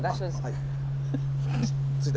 はい。